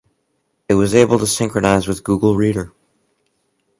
It was able to synchronize with Google Reader.